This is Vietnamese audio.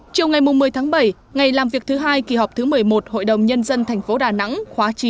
chiều ngày một mươi tháng bảy ngày làm việc thứ hai kỳ họp thứ một mươi một hội đồng nhân dân tp đà nẵng khóa chín